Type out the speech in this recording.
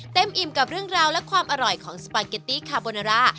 อิ่มกับเรื่องราวและความอร่อยของสปาเกตตี้คาโบนารา